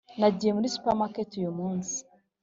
nagiye muri supermarket uyumunsi,